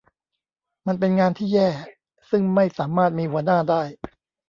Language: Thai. มันเป็นงานที่แย่ ซึ่งไม่สามารถมีหัวหน้าได้